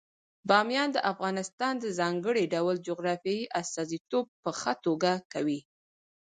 بامیان د افغانستان د ځانګړي ډول جغرافیې استازیتوب په ښه توګه کوي.